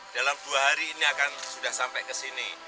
dalam dua hari ini akan sudah sampai kesini